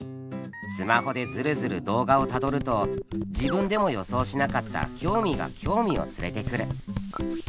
スマホでズルズル動画をたどると自分でも予想しなかった興味が興味を連れてくる。